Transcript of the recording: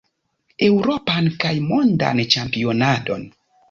Eŭropan kaj Mondan Ĉampionadon.